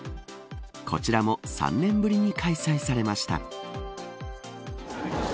こちらも３年ぶりに開催されました。